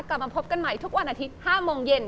กลับมาพบกันใหม่ทุกวันอาทิตย์๕โมงเย็น